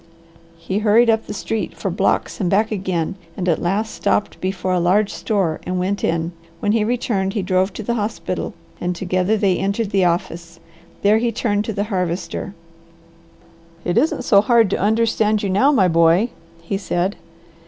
He hurried up the street for blocks and back again, and at last stopped before a large store and went in. When he returned he drove to the hospital and together they entered the office. There he turned to the Harvester. "It isn't so hard to understand you now, my boy," he said.